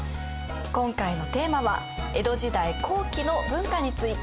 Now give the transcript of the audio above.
今回のテーマは「江戸時代後期の文化」について。